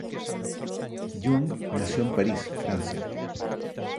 Yung nació en París, Francia.